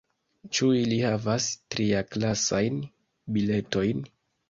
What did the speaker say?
Ĉu ili havas triaklasajn biletojn?